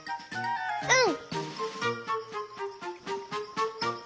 うん！